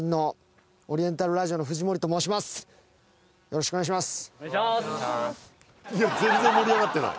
よろしくお願いします。